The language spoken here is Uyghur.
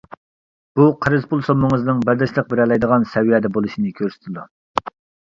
بۇ قەرز پۇل سوممىڭىزنىڭ بەرداشلىق بېرەلەيدىغان سەۋىيەدە بولۇشىنى كۆرسىتىدۇ.